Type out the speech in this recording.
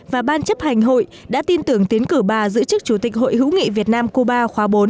và ban chấp hành hội đã tin tưởng tiến cử bà giữ chức chủ tịch hội hữu nghị việt nam cuba khóa bốn